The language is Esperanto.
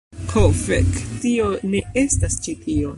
Ho, fek', tio ne estas ĉi tio.